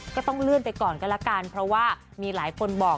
ก็ต้องเลื่อนไปก่อนก็แล้วกันเพราะว่ามีหลายคนบอก